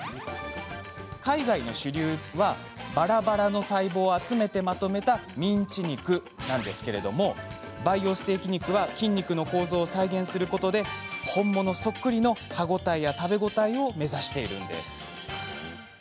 海外での主流はばらばらの細胞を集めてまとめたミンチ肉なのですが培養ステーキ肉は筋肉の構造を再現することで本物そっくりの歯応えや食べ応えを目指しています。